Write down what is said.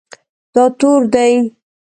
دا تور دی